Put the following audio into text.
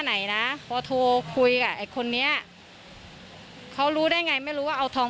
ไหนนะพอโทรคุยกับไอ้คนนี้เขารู้ได้ไงไม่รู้ว่าเอาทอง